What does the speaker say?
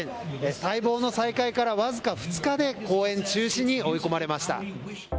待望の再開から僅か２日で公演中止に追い込まれました。